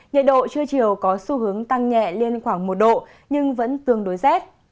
nhiệt độ trưa chiều có xu hướng tăng nhẹ lên khoảng một độ nhưng vẫn tương đối rét